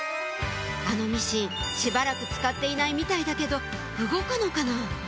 あのミシンしばらく使っていないみたいだけど動くのかな？